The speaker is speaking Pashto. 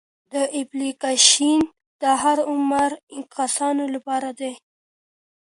دا اپلیکیشن د هر عمر کسانو لپاره دی.